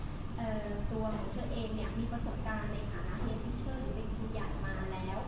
กว่าถึง๒ปี